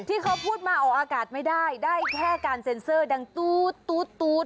ที่เขาพูดมาออกอากาศไม่ได้ได้แค่การเซ็นเซอร์ดังตู๊ด